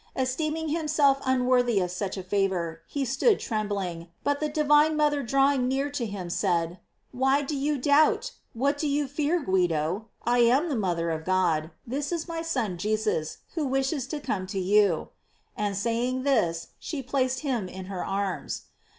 Esteeming himself unworthy of such a favor, lie stood trembling, but the di vine mother drawing near to him, said : "Why do you doubt ? What do you fear, Guido ? I am the mother of God, this is my son Jesus, who wishes to come to you ;" and saying this, she placed him in her arms.